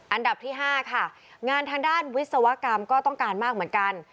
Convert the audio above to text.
อันดับที่๕ค่ะงานทางด้านวิศวกรรมก็ต้องการมากเหมือนกัน